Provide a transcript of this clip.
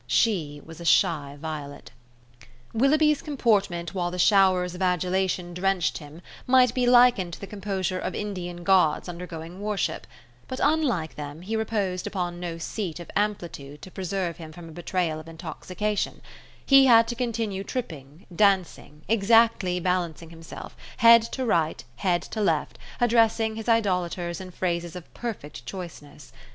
She was a shy violet. Willoughby's comportment while the showers of adulation drenched him might be likened to the composure of Indian Gods undergoing worship, but unlike them he reposed upon no seat of amplitude to preserve him from a betrayal of intoxication; he had to continue tripping, dancing, exactly balancing himself, head to right, head to left, addressing his idolaters in phrases of perfect choiceness.